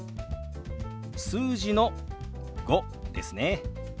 数字の「５」ですね。